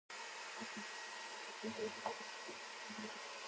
穀雨補老母